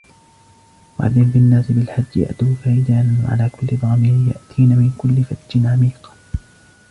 وأذن في الناس بالحج يأتوك رجالا وعلى كل ضامر يأتين من كل فج عميق